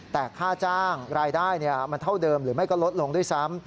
แต่ค่าจ้างรายได้มันเท่าเดิมหรือไม่ก็ลดลงด้วยซ้ำ